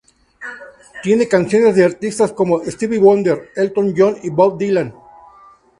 Tiene canciones de artistas como Stevie Wonder, Elton John y Bob Dylan.